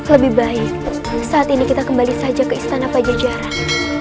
lebih baik saat ini kita kembali saja ke istana pajajaran